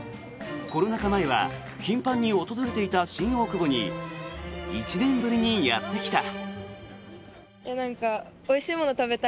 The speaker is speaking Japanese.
コロナ禍前は頻繁に訪れていた新大久保に１年ぶりにやってきた。